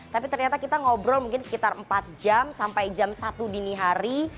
tapi ternyata kita ngobrol mungkin sekitar empat jam sampai jam satu dini hari